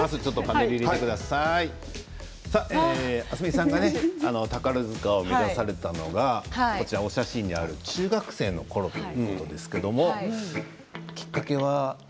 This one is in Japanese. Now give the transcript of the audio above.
明日海さんが宝塚を目指されたのが、お写真にある中学生のころということですけどきっかけは？